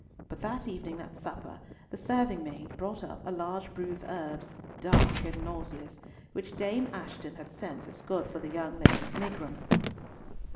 But that evening at supper, the serving maid brought up a large brew of herbs, dark and nauseous, which Dame Ashton had sent as good for the young lady's megrim.